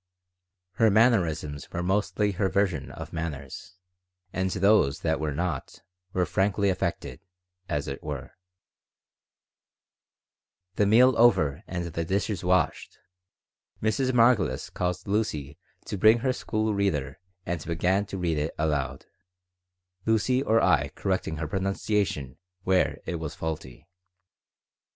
Her mannerisms were mostly her version of manners, and those that were not were frankly affected, as it were The meal over and the dishes washed, Mrs. Margolis caused Lucy to bring her school reader and began to read it aloud, Lucy or I correcting her pronunciation where it was faulty.